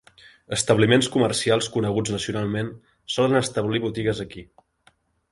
Establiments comercials coneguts nacionalment solen establir botigues aquí.